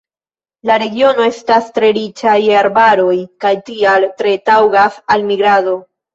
La regiono estas tre riĉa je arbaroj kaj tial tre taŭgas al migrado.